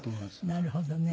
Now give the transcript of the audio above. なるほどね。